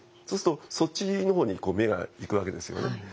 そうするとそっちの方に目が行くわけですよね。